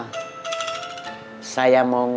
cari arsitek yang nggak kamu kenal